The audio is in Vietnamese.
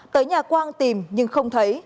tới nhà quang tìm nhưng không thấy